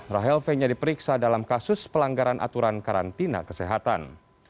rahel fenya diperiksa dalam kasus pelanggaran aturan karantina kesehatan